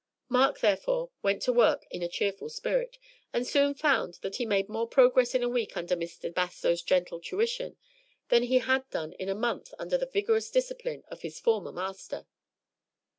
Mark, therefore, went to work in a cheerful spirit, and soon found that he made more progress in a week under Mr. Bastow's gentle tuition than he had done in a month under the vigorous discipline of his former master.